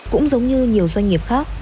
cũng giống như nhiều doanh nghiệp khác